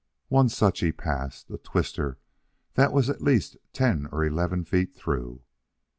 One such he passed, a twister that was at least ten or eleven feet through.